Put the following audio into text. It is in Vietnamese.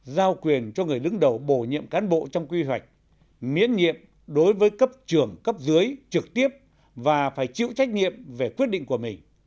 giao quyền cho người đứng đầu bổ nhiệm cán bộ trong quy hoạch miễn nhiệm đối với cấp trưởng cấp dưới trực tiếp và phải chịu trách nhiệm về quyết định của mình